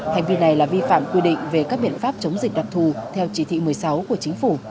hành vi này là vi phạm quy định về các biện pháp chống dịch đặc thù theo chỉ thị một mươi sáu của chính phủ